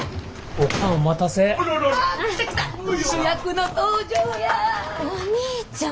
お兄ちゃん！